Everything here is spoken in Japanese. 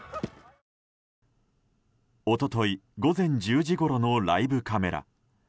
一昨日午前１０時ごろのライブカメラ。